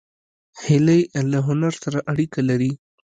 هیلۍ له هنر سره اړیکه لري